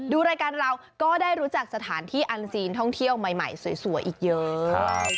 ดูรายการเราก็ได้รู้จักสถานที่อันซีนท่องเที่ยวใหม่สวยอีกเยอะ